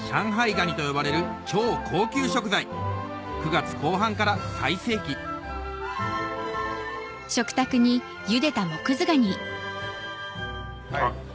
ガニと呼ばれる超高級食材９月後半から最盛期あっおいしい。